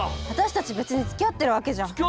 私たち別に付き合ってるわけじゃ。